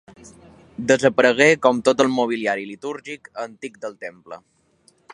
Desaparegué com tot el mobiliari litúrgic antic del temple.